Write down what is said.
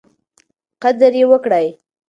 قدر یې وکړئ.